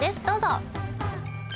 どうぞ！